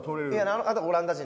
あの方オランダ人。